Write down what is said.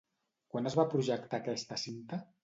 Quan es va projectar aquesta cinta?